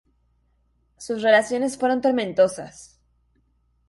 Sus relaciones fueron tormentosas.